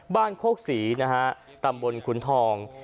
บ้านโครกศรีนะฮะตำบลคุณทอง